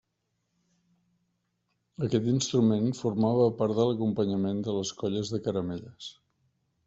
Aquest instrument formava part de l'acompanyament de les colles de caramelles.